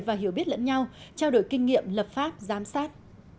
và hiểu biết lẫn nhau trao đổi kinh nghiệm lập pháp giám sát